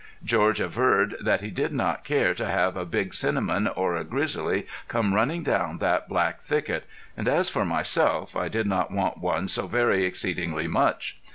George averred that he did not care to have a big cinnamon or a grizzly come running down that black thicket. And as for myself I did not want one so very exceedingly much.